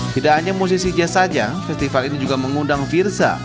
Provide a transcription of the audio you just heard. tidak hanya musisi jazz saja festival ini juga mengundang firza